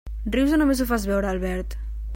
Rius o només ho fas veure, Albert?